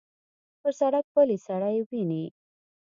پر سړک پلی سړی وینې.